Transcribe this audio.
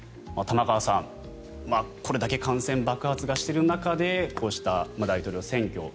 玉川さん、これだけ感染爆発している中でこうした大統領選挙。